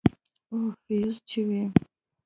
او فيوز چوي.